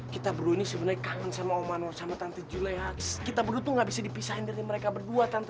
kita berdua ini sebenernya kangen sama om anwar sama tante julia kita buru tuh nggak bisa dipisahin dari mereka berdua tante